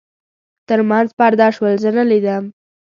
تر منځ پرده شول، ده زه نه لیدم.